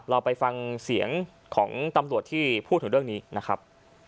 เราไปฟังเสียงของตำรวจที่พูดถึงเรื่องนี้นะครับ